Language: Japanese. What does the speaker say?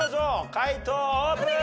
解答オープン！